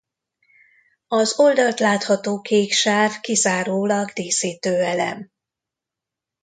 Az oldalt látható kék sáv kizárólag díszítő elem.